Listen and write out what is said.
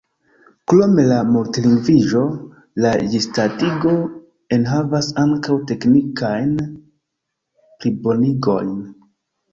Krom la multlingviĝo la ĝisdatigo enhavas ankaŭ teknikajn plibonigojn.